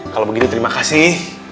kalau begitu terima kasih